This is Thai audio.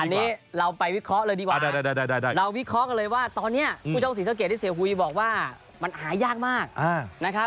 อันนี้เราไปวิเคราะห์เลยดีกว่าเราวิเคราะห์กันเลยว่าตอนนี้ผู้ต้องศรีสะเกดที่เสียหุยบอกว่ามันหายากมากนะครับ